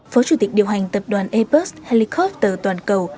phó chủ tịch điều hành tập đoàn airbus helicover toàn cầu